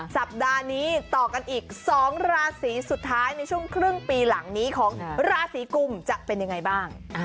สัปดาห์นี้ต่อกันอีก๒ราศีสุดท้ายในช่วงครึ่งปีหลังนี้ของราศีกุมจะเป็นยังไงบ้าง